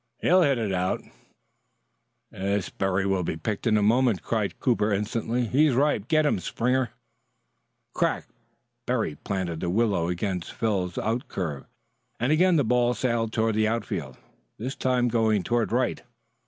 "He'll hit it out." "This Berry will be picked in a moment," cried Cooper instantly. "He's ripe. Get him, Springer." Crack! Berry planted the willow against Phil's outcurve, and again the ball sailed toward the outfield, this time going toward right.